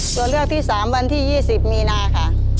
ตัวเลือกที่๓วันที่๒๐มีนาค่ะ